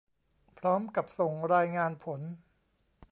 พร้อมกับส่งรายงานผล